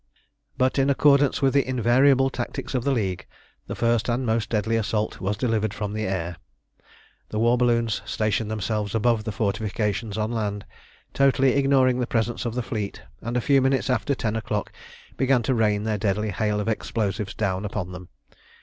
But, in accordance with the invariable tactics of the League, the first and most deadly assault was delivered from the air. The war balloons stationed themselves above the fortifications on land, totally ignoring the presence of the fleet, and a few minutes after ten o'clock began to rain their deadly hail of explosives down upon them.